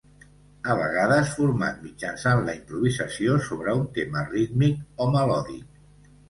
A vegades format mitjançant la improvisació sobre un tema rítmic o melòdic.